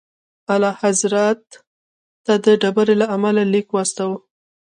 اعلیحضرت ته د بري له امله لیک واستوئ.